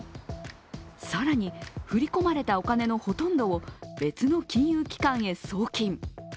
更に、振り込まれたお金のほとんどを別の金融機関へ送金。